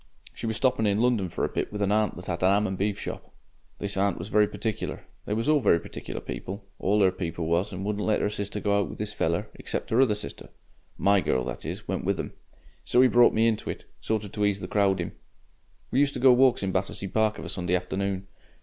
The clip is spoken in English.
She was stopping in London for a bit with an aunt that 'ad a 'am an' beef shop. This aunt was very particular they was all very particular people, all 'er people was and wouldn't let 'er sister go out with this feller except 'er other sister, MY girl that is, went with them. So 'e brought me into it, sort of to ease the crowding. We used to go walks in Battersea Park of a Sunday afternoon.